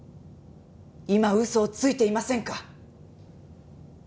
今嘘をついていませんか？